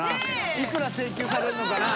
いくら請求されるのかなぁ。